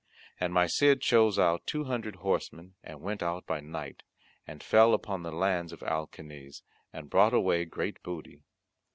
And my Cid chose out two hundred horsemen and went out by night, and fell upon the lands of Alcaniz and brought away great booty.